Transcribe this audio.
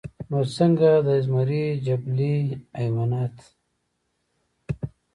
نو څنګه د ازمري جبلي حېوانيت